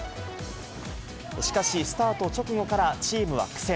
しかし、スタート直後からチームは苦戦。